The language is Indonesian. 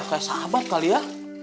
kayak sahabat kali ya